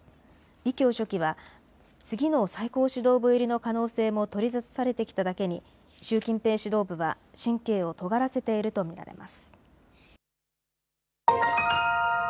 李強書記は次の最高指導部入りの可能性も取り沙汰されてきただけに習近平指導部は神経をとがらせていると見られます。